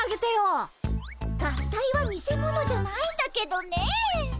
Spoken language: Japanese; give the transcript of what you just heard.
合体は見せ物じゃないんだけどねえ。